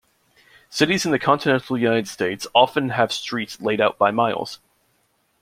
Cities in the continental United States often have streets laid out by miles.